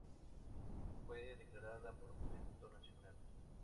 Fue declarada Monumento Nacional.